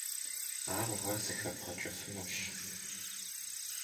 Ар уэ зэхэбгъэкӀыфынущ.